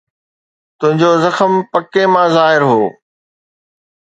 تنهنجو زخم پڪي مان ظاهر هو